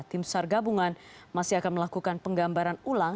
tim sar gabungan masih akan melakukan penggambaran ulang